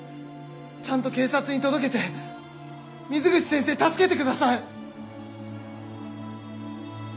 ちゃんと警察に届けて水口先生助けて下さい！